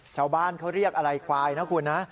ชาวบ้านเขาเรียกอะไรควายนะคุณนะ